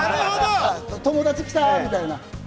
友達来た！みたいな。